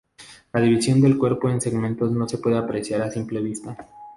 La división del cuerpo en segmentos no se puede apreciar a simple vista.